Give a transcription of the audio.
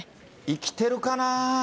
生きてるかな。